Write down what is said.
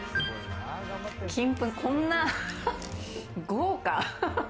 金粉、こんな、豪華！